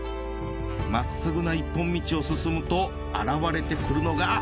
まっすぐな一本道を進むと現れてくるのが。